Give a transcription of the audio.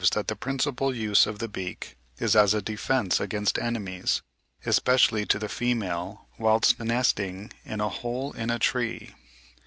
197) that the principal use of the beak is as a defence against enemies, especially to the female whilst nesting in a hole in a tree.)